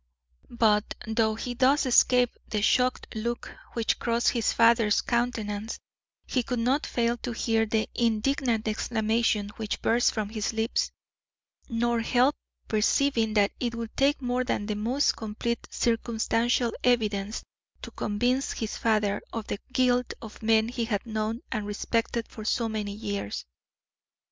But though he thus escaped the shocked look which crossed his father's countenance, he could not fail to hear the indignant exclamation which burst from his lips, nor help perceiving that it would take more than the most complete circumstantial evidence to convince his father of the guilt of men he had known and respected for so many years.